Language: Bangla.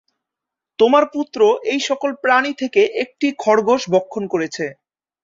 তোমার পুত্র এই সকল প্রাণী থেকে একটি খরগোশ ভক্ষণ করেছে।